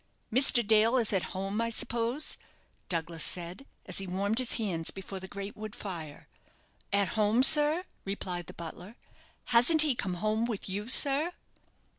"Mr. Dale is at home, I suppose?" Douglas said, as he warmed his hands before the great wood fire. "At home, sir!" replied the butler; "hasn't he come home with you, sir?"